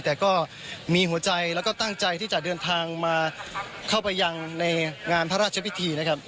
แต่ก็มีหัวใจแล้วก็ตั้งใจที่จะเดินทางมาเข้าไปยังในงานพระราชพิธีนะครับ